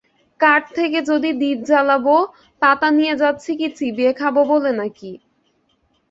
কাঠ থেকে যদি দীপ জ্বালাব, পাতা নিয়ে যাচ্ছি কি চিবিয়ে খাব বলে নাকি?